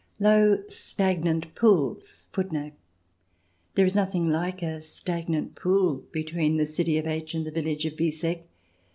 Low, stagnant pools,* • There is nothing like a stagnant pool between the city of H and the village of Wieseck.